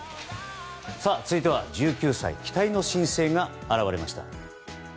続いては１９歳期待の新星が現れました。